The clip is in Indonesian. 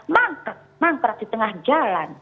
mangker mangker di tengah jalan